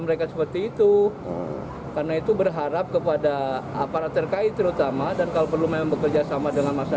baik anak anak tersebut maupun pengguna jalan lainnya